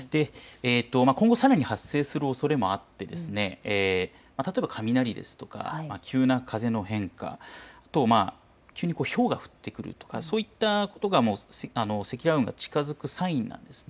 今後さらに発生するおそれもあって例えば雷ですとか急な風の変化、急にひょうが降ってくるとかそういったことが積乱雲が近づくサインなんです。